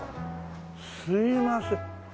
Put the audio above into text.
すいません。